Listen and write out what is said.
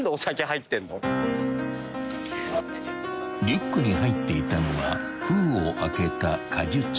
［リュックに入っていたのは封を開けた］